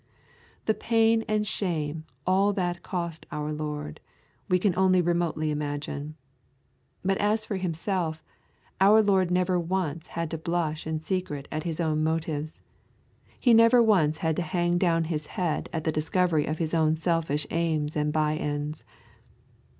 The pain and the shame all that cost our Lord, we can only remotely imagine. But as for Himself, our Lord never once had to blush in secret at His own motives. He never once had to hang down His head at the discovery of His own selfish aims and by ends.